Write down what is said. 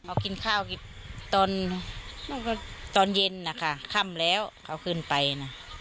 เขากินข้าวกินตอนเย็นนะคะค่ำแล้วเขาขึ้นไปนะ